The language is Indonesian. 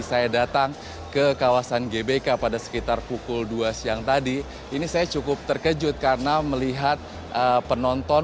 saya datang ke kawasan gbk pada sekitar pukul dua siang tadi ini saya cukup terkejut karena melihat penonton